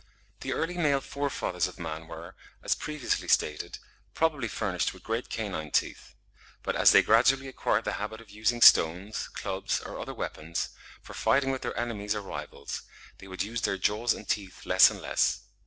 The early male forefathers of man were, as previously stated, probably furnished with great canine teeth; but as they gradually acquired the habit of using stones, clubs, or other weapons, for fighting with their enemies or rivals, they would use their jaws and teeth less and less.